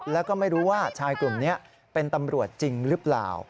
แล้วก็ไม่รู้ว่าชายกลุ่มนี้เป็นตำรวจจริงหรือเปล่า